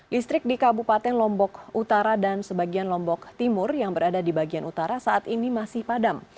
listrik di kabupaten lombok utara dan sebagian lombok timur yang berada di bagian utara saat ini masih padam